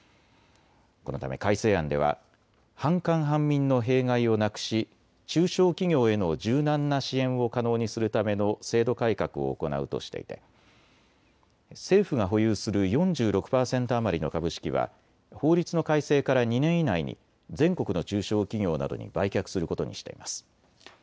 このため改正案では半官半民の弊害をなくし中小企業への柔軟な支援を可能にするための制度改革を行うとしていて政府が保有する４６％余りの株式は法律の改正から２年以内に全国の中小企業などに売却することにしています。